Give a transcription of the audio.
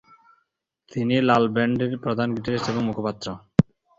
তিনি লাল ব্যান্ডের প্রধান গিটারিস্ট এবং মুখপাত্র।